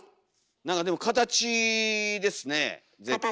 何かでも形ですね絶対。